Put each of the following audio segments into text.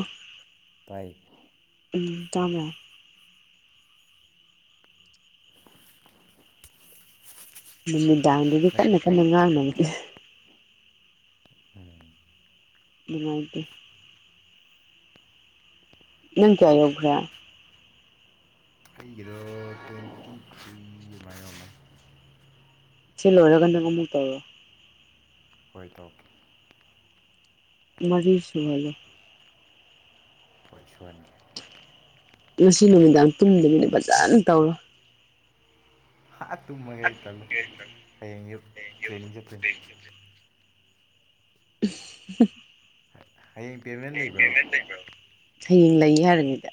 ꯑꯣ [inaudible] ꯇꯥꯏ ꯎꯝ ꯇꯥꯝꯔ ꯅꯨꯃꯤꯗꯥꯡꯗꯨꯗꯤ ꯂꯥꯏꯛ ꯀꯟꯅ ꯀꯟꯅ ꯉꯥꯡꯅꯕꯒꯤ ꯎꯝ ꯉꯥꯏꯗꯦ ꯅꯪ ꯀꯌꯥ ꯌꯒ꯭ꯔꯥ ꯑꯩꯒꯤꯗꯣ ꯇ꯭ꯋꯦꯟꯇꯤ ꯊ꯭ꯔꯤ ꯑꯗꯨꯃꯥꯏꯌꯅ ꯁꯤ ꯂꯣꯏꯔꯒ ꯅꯪ ꯑꯃꯨꯛ ꯇꯧꯔꯣ ꯍꯣꯏ ꯇꯧꯔꯛꯀꯦ ꯃꯔꯤ ꯁꯨꯍꯜꯂꯣ ꯍꯣꯏ ꯁꯨꯍꯟꯒꯦ ꯉꯁꯤ ꯅꯨꯃꯤꯗꯥꯡ ꯇꯨꯝꯗꯕꯅꯤ ꯐꯖꯅ ꯇꯧꯔꯣ ꯍꯥꯥ ꯇꯨꯝꯃꯒꯦ ꯑꯩ ꯇꯜꯂꯦ ꯍꯆꯦꯡ ꯑꯌꯨꯛ ꯇꯔꯦꯅꯤꯡ ꯆꯠꯇꯣꯏꯅꯤ ꯎꯦ [inaudible] [inaudible] ꯍꯌꯦꯡ ꯄꯦꯃꯦꯟ ꯍꯌꯦꯡ ꯂꯩꯕ꯭ꯔꯕ ꯄꯦꯃꯦꯟ ꯂꯩꯕꯔꯣ ꯍꯌꯦꯡ ꯂꯩꯌꯦ ꯍꯥꯏꯔꯒ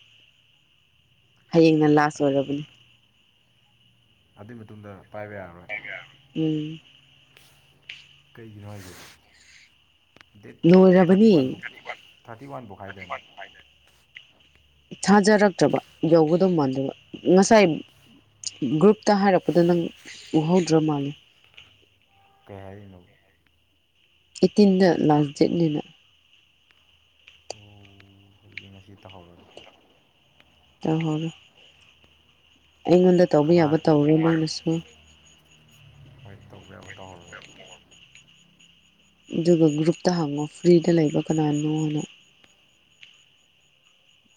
ꯍꯌꯦꯡꯅ ꯂꯥꯁ ꯑꯣꯏꯔꯕꯅꯤ ꯑꯗꯨꯏ ꯃꯇꯨꯡꯗ ꯄꯥꯏꯕ ꯌꯥꯔꯣꯏ ꯎꯝ ꯀꯩꯒꯤꯅꯣ ꯍꯥꯏꯁꯦ ꯗꯦꯠ ꯊꯥꯔꯇꯤ ꯂꯣꯏꯔꯕꯅꯤ ꯋꯥꯟ ꯐꯧ ꯊꯥꯔꯇꯤ ꯋꯥꯟ ꯐꯧ ꯍꯥꯏꯗꯥꯏꯅꯦ ꯊꯥꯖꯔꯛꯇꯕ ꯌꯧꯒꯗꯧ ꯃꯥꯟꯗꯕ ꯉꯁꯥꯏ ꯒ꯭ꯔꯨꯞꯇ ꯍꯥꯏꯔꯛꯄꯗ ꯅꯪ ꯎꯍꯧꯗ꯭ꯔ ꯃꯥꯜꯂꯦ ꯀꯩ ꯍꯥꯏꯔꯩꯅꯣ ꯑꯩꯠꯇꯤꯟꯗ ꯂꯥꯁ ꯗꯦꯠꯅꯦꯅ ꯑꯣ ꯑꯗꯨꯗꯤ ꯉꯁꯤ ꯇꯧꯍꯧꯔꯒꯦ ꯇꯧꯍꯧꯔꯣ ꯑꯩꯉꯣꯟꯗ ꯇꯧꯕ ꯀꯅꯥ ꯌꯥꯕ ꯇꯧꯔꯣ ꯅꯪꯅꯁꯨ ꯍꯣꯏ ꯇꯧꯕ ꯌꯥꯕ ꯇꯧꯍꯧꯔꯒꯦ ꯑꯗꯨꯒ ꯒ꯭ꯔꯨꯞꯇ ꯍꯪꯉꯣ ꯐ꯭ꯔꯤꯗ ꯂꯩꯕ ꯀꯅꯥꯅꯣ ꯍꯥꯏꯅ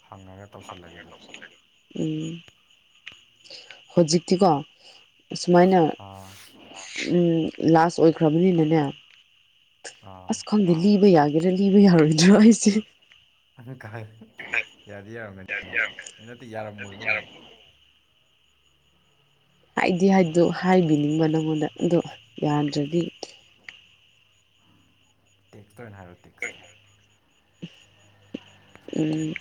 ꯍꯪꯉꯒ ꯇꯧꯁꯜꯂꯒꯦ ꯑꯗꯨꯗꯤ ꯎꯝ ꯍꯧꯖꯤꯛꯇꯤꯀꯣ ꯁꯨꯃꯥꯏꯅ ꯑꯥ ꯂꯥꯁ ꯑꯣꯏꯈ꯭ꯔꯕꯅꯤꯅꯅꯦ ꯑꯥ ꯑꯁ ꯈꯪꯗꯦ ꯂꯤꯕ ꯌꯥꯒꯦꯔꯥ ꯂꯤꯕ ꯌꯥꯔꯣꯏꯗ꯭ꯔꯣ ꯑꯩꯁꯦ ꯪꯥꯌꯥꯗꯤ ꯌꯥꯔꯝꯃꯅꯤꯅꯦ ꯅꯠꯇꯦ ꯌꯥꯔꯝꯃꯣꯏꯕ ꯑꯃꯨꯛ ꯍꯥꯏꯗꯤ ꯍꯥꯏꯗꯣ ꯍꯥꯏꯕꯤꯅꯤꯡꯕ ꯅꯪꯉꯣꯟꯗ ꯑꯗꯣ ꯌꯥꯗ꯭ꯔꯗꯤ ꯇꯦꯛꯁꯇ ꯑꯣꯏꯅ ꯍꯥꯏꯔꯣ ꯇꯦꯛꯁꯇ ꯎꯝ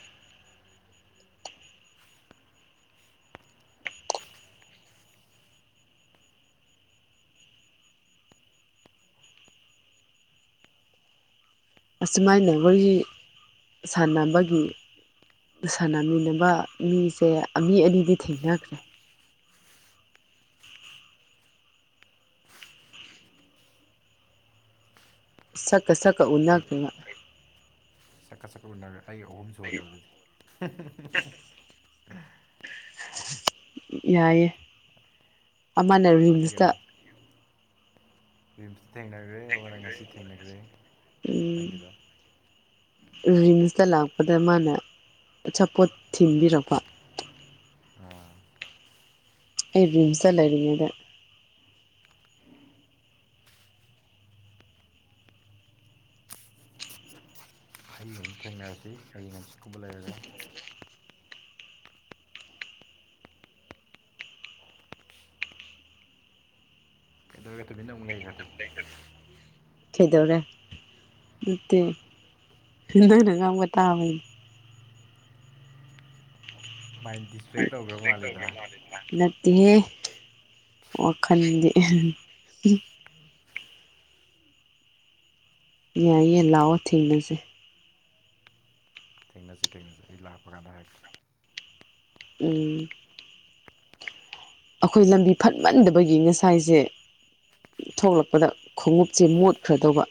ꯑꯁꯨꯃꯥꯏꯅ ꯋꯥꯔꯤ ꯁꯥꯟꯅꯕꯒꯤ ꯁꯥꯟꯅꯃꯤꯟꯅꯕ ꯃꯤꯁꯦ ꯃꯤ ꯑꯅꯤꯗꯤ ꯊꯦꯡꯅꯈ꯭ꯔꯦ ꯁꯛꯀ ꯁꯛꯀ ꯎꯅꯈꯔꯦꯕꯥ ꯆꯛ ꯎꯟꯅꯔꯦ ꯑꯩꯒ ꯑꯍꯨꯝ ꯁꯨꯍꯜꯂꯣ ꯑꯗꯨꯗꯤ ꯌꯥꯏꯌꯦ ꯑꯃꯅ ꯑꯩꯒ ꯔꯤꯝꯁꯇ ꯔꯤꯝꯁ ꯊꯦꯡꯅꯈ꯭ꯔꯦ ꯑꯃꯅ ꯉꯁꯤ ꯊꯦꯡꯅꯈ꯭ꯔꯦ ꯎꯝ ꯅꯪꯒꯤꯗꯣ ꯔꯤꯝꯁꯇ ꯂꯥꯛꯄꯗ ꯃꯥꯅ ꯑꯆꯥꯄꯣꯠ ꯊꯤꯟꯕꯤꯔꯛꯄ ꯑꯝ ꯑꯩ ꯔꯤꯝꯁꯇ ꯂꯩꯔꯤꯉꯩꯗ ꯍꯌꯦꯡ ꯑꯃꯨꯛ ꯊꯦꯡꯅꯔꯁꯤ ꯍꯩꯌꯦꯡ ꯍꯪꯆꯤꯠ ꯒꯨꯝꯕ ꯂꯩꯔꯒ ꯀꯩꯗꯧꯔꯦ ꯇꯨꯃꯤꯟꯅ ꯑꯃꯨꯛ ꯂꯩꯈ꯭ꯔꯗꯤ ꯀꯩꯗꯧꯔꯦ ꯅꯠꯇꯦ ꯅꯪꯅꯉꯥꯡꯕ ꯇꯥꯕꯩꯅꯦ ꯃꯥꯏꯟ ꯗꯤꯁꯇ꯭ꯔꯦꯛ ꯇꯧꯈ꯭ꯔꯕ ꯃꯥꯜꯂꯦꯗ [unintelligible] ꯇꯦꯍꯦ ꯋꯥꯈꯜꯗꯤ ꯌꯥꯏꯌꯦ ꯂꯥꯛꯑꯣ ꯊꯦꯡꯅꯁꯦ ꯊꯦꯡꯅꯁꯦ ꯊꯦꯡꯅꯁꯦ ꯑꯩ ꯂꯥꯛꯄ ꯀꯥꯟꯗ ꯍꯥꯏꯔꯛꯀꯦ ꯎꯝ ꯑꯩꯈꯣꯏ ꯂꯝꯕꯤ ꯐꯠꯃꯟꯗꯕꯒꯤ ꯉꯁꯥꯏꯁꯦ ꯊꯣꯛꯂꯛꯄꯗ ꯈꯣꯡꯎꯞꯁꯦ ꯃꯣꯠꯈ꯭ꯔꯗꯧꯕ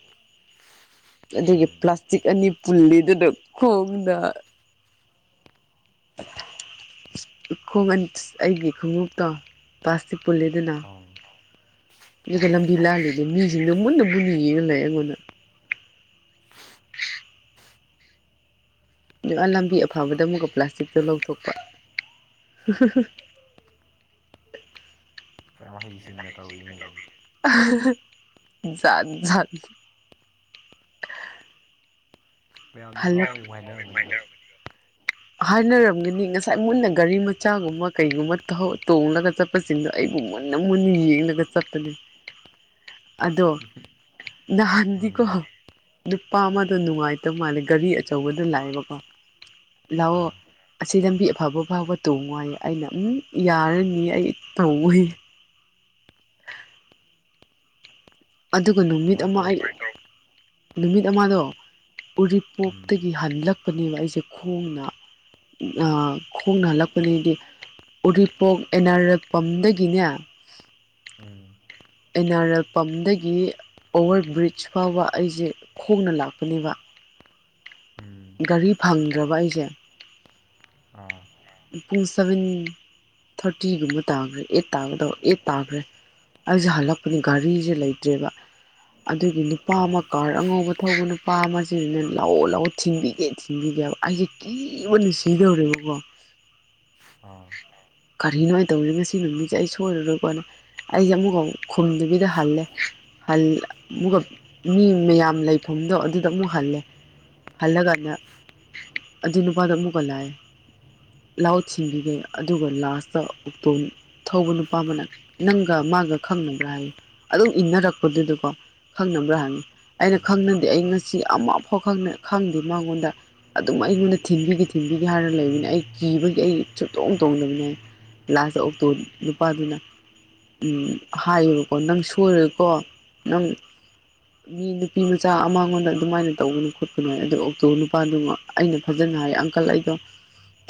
ꯑꯗꯨꯒꯤ ꯎꯝ ꯄ꯭ꯂꯥꯁꯇꯤꯛ ꯑꯅꯤ ꯄꯨꯜꯂꯤꯗꯨꯗ ꯈꯣꯡꯅ ꯣꯡ ꯑꯩꯒꯤ ꯈꯣꯡꯎꯞꯇꯣ ꯄ꯭ꯂꯥꯁꯇꯤꯛ ꯄꯨꯜꯂꯦꯗꯅ ꯎꯝ ꯀ ꯑꯥ ꯂꯝꯂꯝꯕꯤ ꯂ ꯂꯩꯦ ꯃꯤꯖꯤꯡꯗꯨꯨꯕ ꯅꯤꯌꯦ ꯂꯩ ꯑꯩꯉꯣꯟꯅ ꯂꯝꯕꯤ ꯑꯐꯕꯗ ꯑꯃꯨꯛꯀ ꯄ꯭ꯂꯥꯁꯇꯤꯛꯇꯣ ꯂꯧꯊꯣꯛꯄ ꯃꯍꯩꯁꯤꯡꯅ ꯇꯧꯔꯤꯅꯦꯗꯤ ꯖꯠꯠ ꯃꯌꯥꯝꯅ ꯍꯜꯂꯛ ꯉꯥꯎꯋꯦ ꯍꯥꯏꯅꯔꯝꯃꯅꯤꯒ ꯍꯥꯏꯅꯔꯝꯒꯅꯤ ꯉꯁꯥꯏ ꯃꯨꯟꯅ ꯒꯥꯔꯤ ꯃꯆꯥꯒꯨꯝꯕ ꯀꯩꯒꯨꯝꯕ ꯇꯣꯡꯂꯒ ꯆꯠꯄ ꯆꯠꯄ ꯁꯤꯡꯗꯣ ꯑꯩꯕꯨ ꯃꯨꯟꯅ ꯃꯨꯟꯅ ꯌꯦꯡꯂꯒ ꯆꯠꯄꯅꯤ [unintelligible] ꯅꯍꯥꯟꯗꯤ ꯎꯝ ꯀꯣꯣ ꯅꯨꯄꯥ ꯑꯃꯗ ꯅꯨꯡꯉꯥꯏꯇꯕ ꯃꯥꯜꯂꯦ ꯒꯥꯔꯤ ꯑꯆꯧꯕꯗ ꯂꯥꯛꯑꯦꯕꯀꯣ ꯂꯑꯣꯣ ꯑꯥ ꯑꯁꯤ ꯂꯝꯕꯤ ꯑꯐꯕ ꯑ ꯐꯥꯎꯕ ꯇꯣꯡꯉꯏ ꯑꯩꯅ ꯎꯝ ꯌꯥꯔꯅꯤ ꯑꯩ ꯇꯧꯉꯨꯏ [unintelligible] ꯑꯗꯨꯒ ꯅꯨꯃꯤꯠ ꯑꯗꯨꯃꯥꯏꯅ ꯑꯃ ꯇꯧꯔ ꯑꯩ ꯅꯨꯃꯤꯠ ꯑꯃꯗꯣ ꯎꯝ ꯎꯔꯤꯄꯣꯛꯇꯒꯤ ꯍꯜꯂꯛꯄꯅꯦꯕ ꯑꯩꯁꯦ ꯈꯣꯡꯅ ꯈꯣꯡꯅ ꯍꯜꯂꯛꯄꯗꯒꯤꯗꯤ ꯎꯔꯤꯄꯣꯛ ꯑꯦꯟ ꯑꯔ ꯑꯦꯄꯝꯗꯒꯤꯅꯦ ꯎꯝ ꯑꯦꯅꯥ ꯑꯔ ꯑꯦꯜ ꯄꯝꯗꯒꯤ ꯑꯣꯚꯔ ꯕ꯭ꯔꯤꯖ ꯐꯥꯎꯕ ꯑꯩꯁꯦ ꯈꯣꯡꯅ ꯂꯥꯛꯄꯅꯦꯕ ꯎꯝ ꯒꯥꯔꯤ ꯐꯪꯗ꯭ꯔꯕ ꯑꯩꯁꯦ ꯑꯥ ꯄꯨꯡ ꯁꯚꯦꯟ ꯊꯥꯔꯇꯤꯒꯨꯝꯕ ꯇꯥꯈ꯭ꯔꯦ ꯑꯩꯠ ꯇꯥꯕꯗ ꯑꯩꯠ ꯇꯥꯈ꯭ꯔꯦ ꯑꯩꯁꯦ ꯍꯜꯂꯛꯄꯅꯦ ꯘꯔꯤꯁꯦ ꯂꯩꯇ꯭ꯔꯦꯕ ꯑꯗꯨꯒꯤ ꯅꯨꯄꯥ ꯑꯃ ꯑꯥ ꯀꯥꯔ ꯑꯉꯧꯕ ꯊꯧꯕ ꯅꯨꯄꯥ ꯑꯃꯁꯤꯅ ꯂꯥꯛꯑꯣ ꯂꯥꯛꯑꯣ ꯊꯤꯟꯕꯤꯒꯦ ꯊꯤꯟꯕꯤꯒꯦꯕ ꯑꯩꯁꯦ ꯀꯤꯕ ꯅꯨꯡ ꯁꯤꯗꯧꯔꯦꯕꯀꯣ [unintelligible] ꯑꯥ ꯀꯔꯤꯅꯣ ꯍꯥꯏꯅ ꯇꯧꯔꯤ ꯉꯁꯤ ꯅꯨꯃꯤꯠꯁꯦ ꯑꯩ ꯁꯣꯏꯔꯔꯣꯏꯀꯣꯅ ꯑꯩꯁꯦ ꯑꯃꯨꯛꯀ ꯈꯨꯝꯗꯨꯕꯤꯗ ꯍꯜꯂꯦ ꯑꯃꯨꯛꯀ ꯃꯤ ꯃꯌꯥꯝ ꯂꯩꯐꯝꯗꯣ ꯑꯗꯨꯗ ꯑꯃꯨꯛ ꯍꯜꯂꯦ ꯍꯜꯂꯒꯅ ꯑꯗꯨꯖꯤ ꯅꯨꯄꯥꯗꯃꯀꯂꯑ ꯂꯧꯥꯎ ꯁꯤꯟꯕꯤꯈꯩ ꯑꯗꯨꯒ ꯂꯥꯁꯇ ꯑꯣꯛꯇꯣꯝ ꯊꯧꯕ ꯅꯨꯄꯥ ꯑꯃꯅ ꯅꯪꯒ ꯃꯥꯒ ꯈꯪꯅꯕ꯭ꯔꯥ ꯍꯥꯏꯌꯦ ꯑꯗꯨꯝ ꯏꯟꯅꯔꯛꯄꯗꯨꯗꯨꯀꯣ ꯈꯪꯅꯕ꯭ꯔꯥ ꯍꯪꯉꯤ ꯑꯩꯅ ꯎꯝ ꯈꯪꯅꯗꯦ ꯑꯩ ꯉꯁꯤ ꯑꯃꯐꯥꯎ ꯈꯪꯗꯦ ꯃꯉꯣꯟꯗ ꯑꯗꯨꯝ ꯑꯩꯉꯣꯟꯗ ꯊꯤꯟꯕꯤꯈꯤ ꯊꯤꯟꯕꯤꯒꯦ ꯍꯥꯏꯔ ꯂꯩꯕꯅꯤꯅ ꯑꯩ ꯀꯤꯕꯒꯤ ꯑꯩ ꯁꯨꯝꯇꯣꯡ ꯇꯣꯡꯗꯕꯅ ꯑꯩ ꯂꯥꯁ ꯑꯣꯛꯇꯣ ꯅꯨꯄꯥꯗꯨꯅ ꯎ ꯍꯥꯏꯌꯦꯕꯀꯣ ꯅꯪ ꯁꯣꯏꯔꯦꯀꯣ ꯅꯪ ꯃꯤ ꯅꯨꯄꯤ ꯃꯆꯥ ꯑꯃꯉꯣꯟꯗ ꯑꯗꯨꯃꯥꯏꯅ ꯇꯧꯒꯅꯨ ꯈꯣꯠꯄꯅꯨ ꯍꯥꯏ ꯑꯗꯣ ꯑꯣꯛꯇꯣ ꯅꯨꯄꯥꯗꯨ ꯑꯩꯅ ꯐꯖꯅ ꯍꯥꯏ ꯑꯪꯀꯜ ꯑꯩꯗꯣ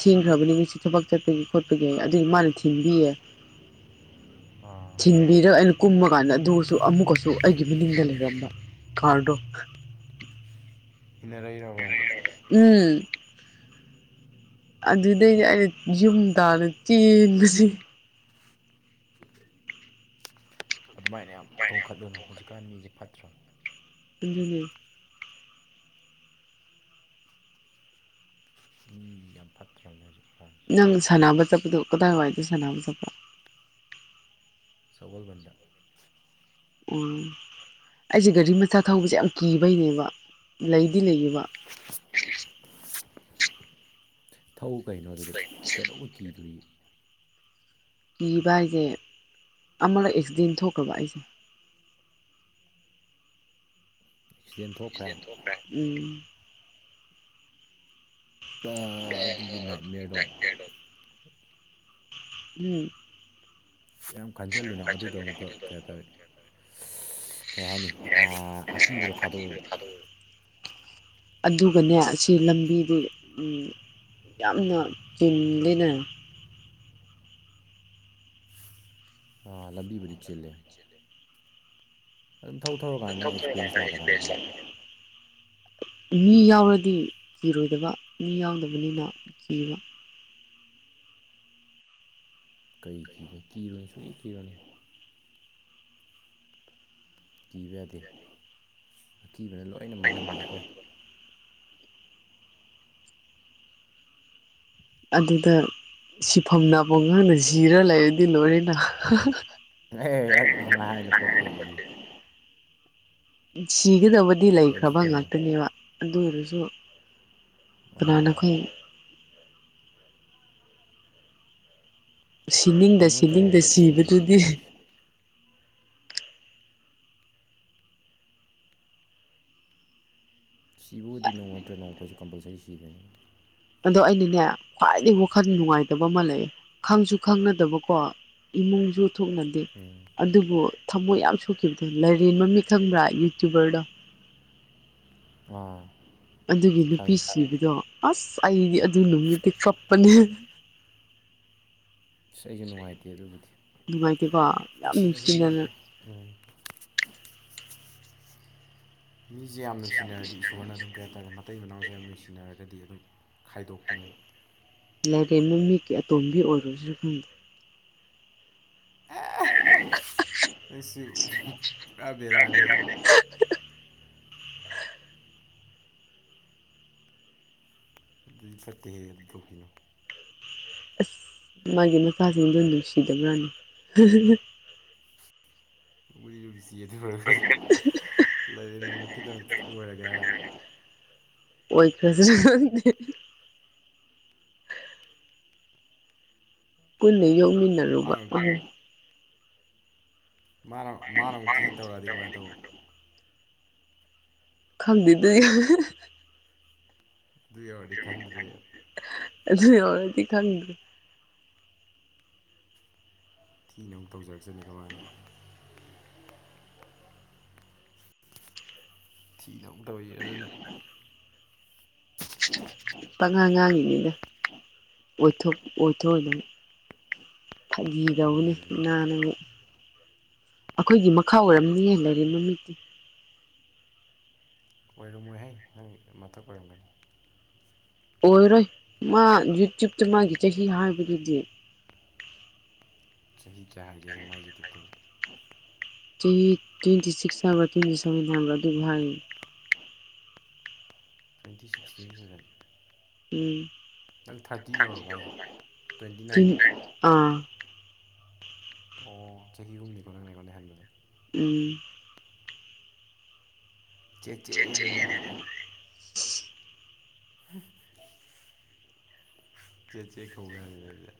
ꯊꯤꯟꯈ꯭ꯔꯕꯅꯤ ꯃꯤꯣꯏꯁꯤ ꯊꯕꯛ ꯆꯠꯄꯒꯤ ꯈꯣꯠꯄꯒꯤ ꯑꯗꯨꯗꯤ ꯃꯥꯅ ꯊꯤꯟꯕꯤꯌꯦ ꯑꯥ ꯊꯤꯟꯕꯤꯔꯒ ꯑꯩꯅ ꯀꯨꯝꯃ ꯀꯥꯟꯗ ꯑꯗꯨꯒꯁꯨ ꯑꯃꯨꯛꯀꯁꯨ ꯑꯩꯒꯤ ꯃꯅꯤꯡꯗ ꯂꯩꯔꯝꯕ ꯊꯔꯗꯣꯛ ꯔꯔꯔꯕ ꯑꯃꯨꯛ ꯎꯝ ꯑꯗꯨꯗꯩꯗꯤ ꯑꯩꯅ ꯌꯨꯝ ꯇꯥꯅ ꯆꯦꯟꯕꯕꯁꯤ ꯑꯗꯨꯃꯥꯏꯅ ꯌꯥꯝ ꯇꯣꯡꯈꯠꯂꯨꯅꯨ ꯍꯧꯖꯤꯛꯀꯥꯟ ꯃꯤꯁꯦ ꯐꯠꯇ꯭ꯔꯕ [unintelligible] ꯃꯤ ꯌꯥꯝ ꯐꯇ꯭ꯔꯕꯅꯦ ꯍꯧꯖꯤꯛꯀꯥꯟ ꯅꯪ ꯁꯥꯟꯅꯕ ꯆꯠꯄꯗꯣ ꯀꯗꯥꯏꯋꯥꯏꯗ ꯁꯥꯟꯅꯕ ꯆꯠꯄ ꯁꯒꯣꯜꯕꯟꯗ ꯑꯣ ꯑꯩꯁꯦ ꯒꯥꯔꯤ ꯃꯆꯥ ꯊꯧꯕꯁꯦ ꯌꯥꯝ ꯀꯤꯕꯩꯅꯦꯕ ꯂꯩꯗꯤ ꯂꯩꯌꯦꯕ ꯊꯧ ꯀꯩꯅꯣ ꯑꯗꯨꯗ ꯀꯩꯗꯧꯕꯩ ꯀꯤꯗꯣꯔꯤꯒꯦ ꯀꯤꯕ ꯍꯥꯏꯁꯦ ꯑꯃꯔꯛ ꯑꯦꯛꯁꯤꯗꯦꯟ ꯊꯣꯛꯈ꯭ꯔꯕ ꯑꯩꯁꯦ ꯑꯦꯛꯁꯤꯗꯦꯟ ꯊꯣꯛꯈ꯭꯭ꯔꯦ ꯦ ꯎꯝ ꯑ ꯑꯗꯨꯒꯤ ꯅꯥꯏꯠꯦꯌꯔꯗꯣ ꯎꯝ ꯌꯥꯝ ꯈꯟꯖꯜꯂꯨꯅꯣ ꯑꯗꯨꯗꯣ ꯑꯃꯨꯛꯀ ꯀꯩꯍꯥꯏꯇꯥꯔꯦ ꯀꯩ ꯍꯥꯏꯅꯤ ꯑꯥ ꯑꯀꯤꯕꯗꯣ ꯊꯥꯗꯣꯛꯎ ꯑꯗꯨꯒꯅꯦ ꯑꯁꯤ ꯂꯝꯕꯤꯗꯤ ꯎꯝ ꯌꯥꯝꯅ ꯆꯤꯟꯜꯂꯤꯅ ꯑꯥ ꯂꯝꯕꯤꯕꯨꯗꯤ ꯆꯤꯜꯂꯦ ꯑꯗꯨꯝ ꯊꯛꯧꯔꯀꯥꯟꯗ ꯅꯪ ꯑꯦꯛꯁꯄꯤꯔꯦꯟꯁ ꯂꯥꯛꯀꯗꯕꯅꯤ ꯀꯩꯅꯣ ꯃꯤ ꯌꯥꯎꯔꯗꯤ ꯀꯤꯔꯣꯏꯗꯕ ꯃꯤ ꯌꯥꯎꯗꯕꯅꯤꯅ ꯀꯤꯕ ꯀꯩ ꯀꯤꯗꯣꯏꯅꯣ ꯀꯤꯔꯣꯅꯨ ꯁꯨꯡꯀꯤ ꯀꯤꯔꯨꯅꯨ ꯀꯤꯕ ꯌꯥꯗꯦ ꯑꯀꯤꯕꯅ ꯂꯣꯏꯅ ꯃꯥꯡꯍꯟꯕꯅꯤꯀꯣ ꯑꯗꯨꯗ ꯁꯤꯐꯝ ꯅꯥꯐꯝ ꯈꯪꯗꯅ ꯁꯤꯔ ꯂꯩꯔꯗꯤ ꯂꯣꯏꯔꯦꯅ ꯑꯦ ꯑ ꯑꯗꯨꯝꯃꯥꯏ ꯍꯥꯏꯅꯨ ꯐꯣꯠꯇꯦ ꯑꯗꯨꯗꯤ ꯁꯤꯒꯗꯕꯗꯤ ꯀꯩꯝꯁꯨ ꯂꯩꯈ꯭ꯔꯕ ꯇꯧꯔꯣꯏ ꯉꯥꯛꯇꯅꯦꯕ ꯑꯗꯨ ꯑꯣꯏꯔꯁꯨ ꯀꯅꯥꯅ ꯑꯥ ꯈꯪꯏ ꯁꯤꯅꯤꯡꯗ ꯅꯣꯡꯃ ꯅꯠꯇ꯭ꯔ ꯁꯤꯅꯤꯡꯗ ꯅꯣꯡꯃꯕꯨꯗꯤ ꯁꯤꯗꯣꯏꯅꯤꯗ ꯁꯤꯕꯗꯨꯗꯤ ꯑꯩꯈꯣꯏꯁꯦ ꯁꯤꯕꯕꯨꯗꯤ ꯅꯣꯡꯃ ꯅꯠꯇ꯭ꯔꯒ ꯅꯣꯡꯃ ꯑꯩꯈꯣꯏꯁꯨ ꯀꯝꯄꯜꯁꯔꯤ ꯁꯤꯗꯣꯏꯅꯤ ꯑꯗꯣ ꯑꯩꯅꯅꯦ ꯈ꯭ꯋꯥꯏꯗꯒꯤ ꯋꯥꯈꯜ ꯅꯨꯡꯉꯥꯏꯇꯕ ꯑꯃ ꯂꯩ ꯈꯪꯁꯨ ꯈꯪꯅꯗꯕꯀꯣ [unintelligible] ꯊꯣꯅꯗꯦ ꯎꯝ ꯑꯗꯨꯕꯨ ꯊꯃꯣꯏ ꯌꯥꯝ ꯁꯣꯛꯈꯤꯕꯗꯣ ꯂꯥꯏꯔꯦꯟ ꯃꯃꯤꯠ ꯈꯪꯕ꯭ꯔꯥ ꯌꯨꯇ꯭ꯌꯨꯕꯔꯗꯣ ꯑꯥ ꯑꯗꯨꯒꯤ ꯅꯨꯄꯤ ꯈꯪꯉꯤ ꯁꯤꯕꯗꯣ ꯑꯁ ꯑꯩꯗꯤ ꯑꯗꯨ ꯅꯨꯃꯤꯠꯇꯤ ꯀꯞꯄꯅꯦ ꯑꯁ ꯑꯩꯁꯨ ꯅꯨꯡꯉꯥꯏꯇꯦ ꯑꯗꯨꯕꯨꯗꯤ ꯑꯗꯨꯃꯥꯏꯗꯤꯀꯣ ꯌꯥꯝ ꯅꯨꯡꯁꯤꯅꯕ ꯅꯨꯡꯁꯤꯅꯅ ꯃꯤꯁꯤꯅ ꯎꯝ ꯃꯤꯁꯦ ꯌꯥꯝ ꯅꯨꯡꯁꯤꯅꯔꯗꯤ ꯏꯁꯣꯔꯅ ꯑꯗꯨꯝ ꯀꯩ ꯍꯥꯏꯇꯥꯔꯦ ꯃꯇꯩ ꯃꯅꯥꯎꯁꯦ ꯌꯥꯝ ꯅꯨꯡꯁꯤꯅꯔꯒꯗꯤ ꯑꯗꯨꯝ ꯈꯥꯏꯗꯣꯛꯄꯅꯦꯕ ꯂꯥꯏꯔꯦꯟ ꯃꯃꯤꯀꯤ ꯑꯇꯣꯝꯕꯤ ꯑꯣꯏꯔꯨꯁꯤꯔꯥ ꯈꯪꯗꯦ [unintelligible] ꯅꯪꯁꯤ ꯄꯨꯔꯥ ꯕꯦꯔꯥꯅꯦꯍꯦ ꯑꯗꯨꯗꯤ ꯆꯠꯇꯦ ꯍꯦ ꯑꯗꯨ ꯇꯧꯕꯤꯅꯨ ꯑꯁ ꯃꯥꯒꯤ ꯃꯆꯥꯁꯤꯡꯗꯨ ꯅꯨꯡꯁꯤꯗꯕꯔꯥꯅꯦ ꯅꯨꯡꯁꯤ ꯑꯗꯨ ꯑꯣꯏꯔꯒꯁꯨ ꯂꯥꯏꯔꯦꯟ ꯃꯃꯤꯠꯀꯤꯗꯃꯛꯇ ꯑꯣꯏꯔꯒꯦ ꯍꯥꯏꯔ ꯑꯣꯏꯈ꯭ꯔꯁꯤꯔ ꯈꯪꯗꯦ ꯄꯨꯟꯅ ꯌꯣꯛꯃꯤꯟꯅꯔꯨꯕ ꯃꯥꯅ ꯃꯥꯅ ꯃꯥꯅ ꯑꯃꯨꯛ ꯊꯤ ꯇꯧꯔꯛꯑꯗꯤ ꯀꯃꯥꯏꯅ ꯇꯧꯕ ꯈꯪꯗꯦꯗ ꯑꯩ ꯑꯗꯨ ꯌꯧꯔꯗꯤ ꯈꯪꯗ꯭ꯔꯦ ꯑꯗꯨ ꯌꯧꯔꯗꯤ ꯈꯪꯗ ꯊꯤꯅ ꯑꯃꯨꯛ ꯇꯧꯖꯔꯛꯆꯅꯤ ꯑꯗꯨꯃꯥꯏꯅ ꯊꯤꯅ ꯑꯃꯨꯛ [unintelligible] ꯄꯉꯥꯡ ꯉꯥꯡꯉꯤꯅꯤꯗ ꯑꯣꯏꯊꯣꯛ ꯑꯣꯏꯊꯣꯛꯑꯣꯏ ꯐꯥꯒꯤ ꯇꯧꯕꯅꯤ ꯎꯝ ꯑꯩꯈꯣꯏꯒꯤ ꯃꯈꯥ ꯑꯣꯏꯔꯝꯅꯤꯌꯦ ꯂꯩꯔꯦꯟꯃꯃꯤꯠꯇꯤ ꯑꯣꯏꯔꯝꯃꯣꯏꯍꯦ ꯅꯪ ꯃꯊꯛ ꯑꯣꯏꯔꯝꯒꯅꯤ ꯑꯣꯏꯔꯣꯏ ꯃꯥ ꯌꯨꯇ꯭ꯌꯕꯇ ꯃꯥꯒꯤ ꯆꯍꯤ ꯍꯥꯏꯕꯒꯤꯗꯤ ꯆꯍꯤ ꯀꯌꯥ ꯍꯥꯏꯒꯦꯁꯦ ꯃꯒꯤ ꯌꯨꯇ꯭ꯌꯨꯕꯇ ꯇ꯭ꯋꯦꯟꯇꯤ ꯇ꯭ꯋꯦꯟꯇꯤ ꯁꯤꯛꯁ ꯑꯃꯔ ꯇ꯭ꯋꯦꯟꯇꯤ ꯁꯚꯦꯟ ꯑꯃꯔ ꯑꯗꯨꯗꯨꯚ ꯇ꯭ꯋꯦꯟꯇꯤ ꯁꯤꯛꯁ ꯇ꯭ꯦꯟꯇꯤ ꯁꯕꯦꯟ ꯎꯝ ꯅꯪ ꯊꯥꯔꯇꯤ ꯌꯧꯔꯕ ꯍꯥꯏꯁꯦ ꯇ꯭ꯋꯦꯟꯇꯤ ꯅꯥꯏꯟ ꯎꯝ ꯂꯥꯛ ꯑꯥ ꯑꯣ ꯆꯍꯤ ꯑꯍꯨꯝꯅꯤꯀꯣ ꯅꯪꯅꯦꯀꯣ ꯅꯍꯟꯕꯗ ꯎꯝ ꯆꯦ ꯆꯦꯗꯤꯗꯅꯦ ꯆꯦ ꯆꯦ ꯈꯧꯋꯦ ꯍꯥꯏꯔꯅꯦ ꯑꯗꯨꯗ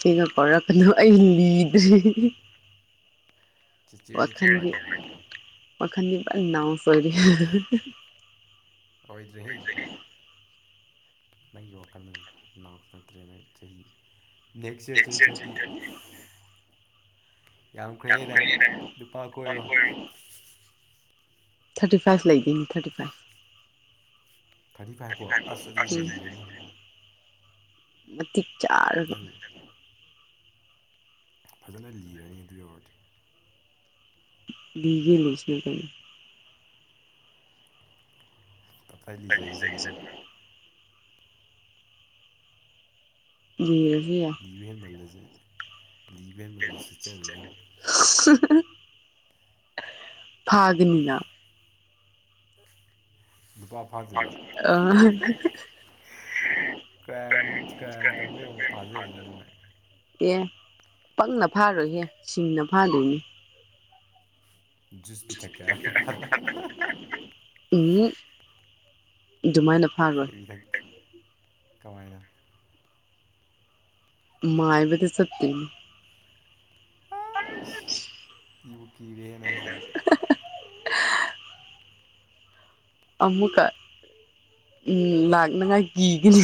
ꯁꯤꯒ ꯀꯥꯎꯔꯛꯄꯅꯨ ꯑꯩ ꯂꯤꯗ꯭ꯔꯦ ꯆꯦꯆꯦ ꯑꯣꯏꯅ ꯋꯥꯈꯜꯒꯤ ꯀꯧꯔꯛꯑꯒꯦ ꯍꯌꯦꯡꯗꯒꯤ ꯋꯥꯈꯜꯒꯤ ꯅꯥꯎꯁꯨ ꯑꯣꯏꯔꯤ ꯑꯣꯏꯗꯔꯦꯍꯦ ꯅꯪꯒꯤ ꯋꯥꯈꯜꯗꯨꯅꯤ ꯅꯅꯥꯎꯁꯨ ꯅꯪꯇ꯭ꯔꯦꯅ ꯆꯍꯤ ꯅꯦꯛꯁ ꯏꯔ ꯆꯍꯤ ꯊꯥꯔꯇꯤ ꯎꯐ ꯌꯥꯝꯈ꯭ꯔꯦꯅꯦ ꯂꯨꯄꯥ ꯀꯣꯏꯔꯣ ꯊꯥꯔꯇꯤ ꯐꯥꯏꯚ ꯂꯩꯒꯅꯤ ꯊꯥꯔꯇꯤ ꯐꯥꯏꯚ ꯊꯥꯔꯇꯤ ꯐꯥꯏꯚ ꯐꯣ ꯑꯁ ꯑꯗꯨꯗꯤ ꯂꯤꯔꯅꯤ ꯊꯤ ꯆꯥ ꯅꯪ ꯐꯖꯅ ꯂꯤꯔꯅꯤ ꯑꯗꯨ ꯌꯧꯔꯗꯤ ꯒꯦ ꯂꯩꯣꯏꯁꯤ ꯀꯩꯅ ꯀꯈꯥꯏ ꯂꯤꯖꯈꯤꯁꯤꯅꯤꯀꯣ ꯂꯤꯔꯁꯨ ꯌꯥꯢ ꯂꯤꯕ ꯍꯦꯟꯃꯜꯂꯁꯨ ꯂꯤꯕ ꯍꯦꯟꯃꯜꯂꯁꯨ ꯁꯤꯠꯆ ꯔꯣꯢꯖꯅꯤ ꯐꯥꯒꯅꯤꯅ ꯅꯨꯄꯥ ꯐꯗ꯭ꯣꯏꯔꯤꯕ ꯑ ꯀ꯭ꯔꯥꯏꯝ ꯀ꯭ꯔꯥꯏꯝ ꯇꯧꯕꯩ ꯑꯃꯨꯛ ꯐꯥꯖꯕꯅꯤꯅ ꯑꯦ ꯄꯪꯅ ꯐꯥꯔꯣꯏꯍꯦ ꯁꯤꯡꯅ ꯐꯥꯗꯣꯏꯅꯤ ꯖꯨꯁ ꯄꯤꯊꯛꯒꯦ ꯍꯥꯢꯔ ꯅꯨꯄꯥꯗ ꯎꯝ ꯑꯗꯨꯃꯥꯏꯅ ꯐꯥꯈ꯭ꯔꯣ ꯄꯤꯕꯤ ꯊꯛ ꯀꯃꯥꯏꯅ ꯃꯥꯥꯏꯕꯗ ꯆꯠꯒꯅꯤ ꯑꯩꯁ ꯀꯤꯕꯨ ꯀꯤꯔꯦꯍꯦ ꯅꯪꯁꯦ ꯑꯃꯨꯛꯀ ꯎꯝ ꯂꯥꯛꯅꯉꯥꯏ ꯀꯤꯒꯅꯤ